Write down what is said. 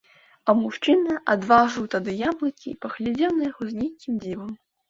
А мужчына адважыў тады яблыкі і паглядзеў на яго з нейкім дзівам.